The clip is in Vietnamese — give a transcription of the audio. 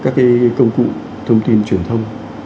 các cái công cụ thông tin truyền thông